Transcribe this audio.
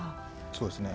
そうですね。